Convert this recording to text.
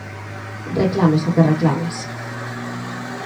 Reclames o que reclames.